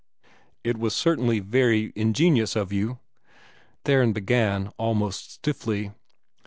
"It was certainly very ingenious of you," Theron began almost stiffly.